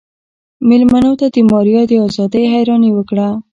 مېلمنو د ماريا د ازادۍ حيراني وکړه.